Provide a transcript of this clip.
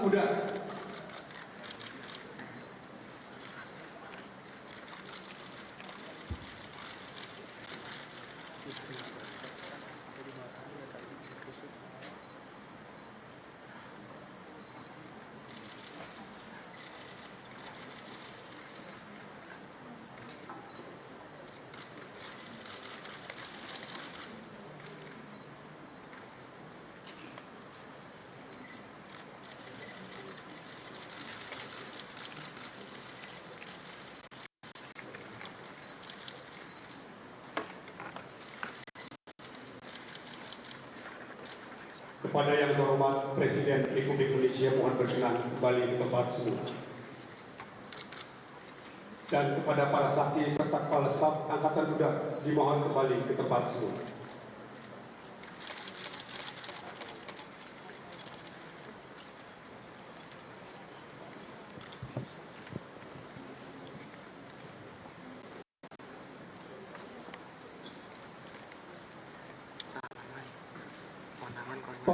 dan kepada para saksi serta kepala staff angkatan budak dimohon kembali ke tempat sebelumnya